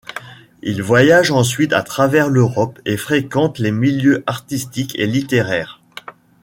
Il voyage ensuite à travers l'Europe et fréquente les milieux artistiques et littéraires.